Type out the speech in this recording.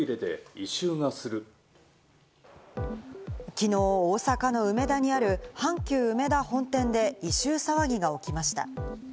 きのう、大阪の梅田にある阪急うめだ本店で異臭騒ぎが起きました。